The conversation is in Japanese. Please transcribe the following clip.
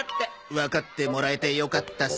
わかってもらえてよかったっす。